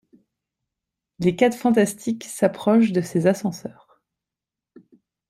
Les Quatre Fantastiques s'approchent de ces ascenseurs.